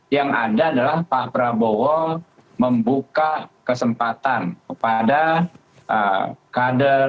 yang ada adalah pak prabowo membuka kesempatan kepada kader